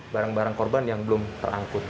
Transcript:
barang barang korban yang belum terangkut